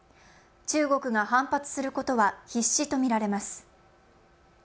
中国が反発することは必至とみられます。